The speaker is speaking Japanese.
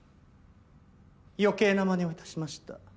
余計なまねを致しました。